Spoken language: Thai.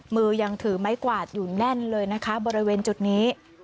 มือยังถือไม้กวาดอยู่แน่นเลยนะคะบริเวณจุดนี้